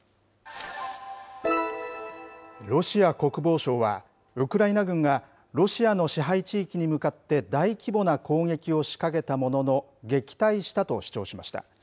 ロシア国防省は、ウクライナ軍がロシアの支配地域に向かって大規模な攻撃を仕掛けたものの、撃退したと主張しました。